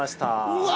うわ！